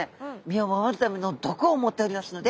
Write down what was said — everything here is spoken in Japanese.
身を守るための毒を持っておりますので。